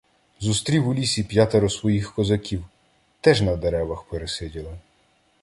Зустрів у лісі п'ятеро своїх козаків — теж на деревах пересиділи.